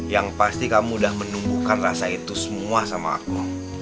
yang pasti kamu udah menumbuhkan rasa itu semua sama aku